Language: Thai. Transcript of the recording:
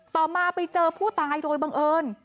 ต่อมาไปเจอผู้ตายโดยบังเอิญ